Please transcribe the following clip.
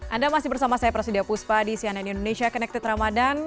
anda masih bersama saya prasidya puspa di cnn indonesia connected ramadan